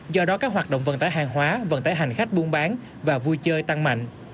do đó các hoạt động vận tải hàng hóa vận tải hành khách buôn bán và vui chơi tăng mạnh